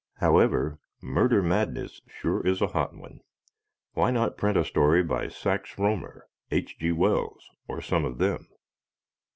However, "Murder Madness" sure is a hot one. Why not print a story by Sax Rohmer, H. G. Wells, or some of them?